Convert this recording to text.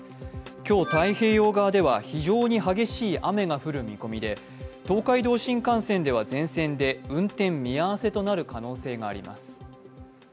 今日、太平洋側では非常に激しい雨が降る見込みで東海道新幹線では全線で運転見合わせとなる可能性があります。